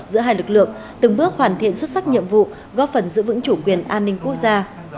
giữa hai lực lượng từng bước hoàn thiện xuất sắc nhiệm vụ góp phần giữ vững chủ quyền an ninh quốc gia